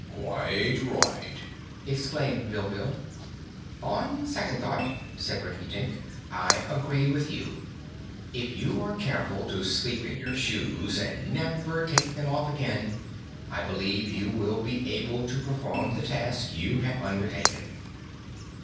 "Quite right!" exclaimed Bilbil. "On second thought," said Rinkitink, "I agree with you. If you are careful to sleep in your shoes, and never take them off again, I believe you will be able to perform the task you have undertaken."